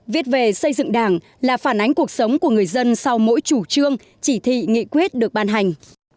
viết về xây dựng đảng là phản ánh cuộc sống của người dân sau mỗi chủ trương chỉ thị nghị quyết được ban hành